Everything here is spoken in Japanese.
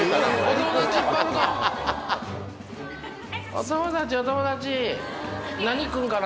お友達お友達。